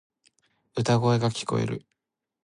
歌声が聞こえる。